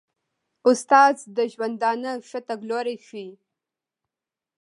استاد د ژوندانه ښه تګلوری ښيي.